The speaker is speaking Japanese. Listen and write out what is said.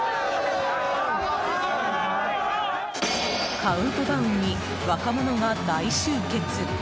カウントダウンに若者が大集結！